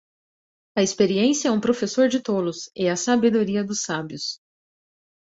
A experiência é um professor de tolos e a sabedoria dos sábios.